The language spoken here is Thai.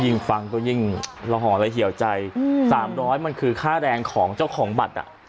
ยิ่งฟังก็ยิ่งหล่อหลายเหี่ยวใจ๓๐๐บาทมันคือค่าแรงของเจ้าของบัตร